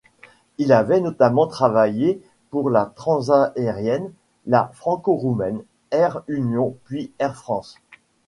Il avait notamment travaillé pour la Transaérienne, la Franco-Roumaine, Air Union puis Air France.